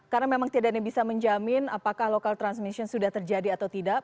karena memang tidak ada yang bisa menjamin apakah local transmission sudah terjadi atau tidak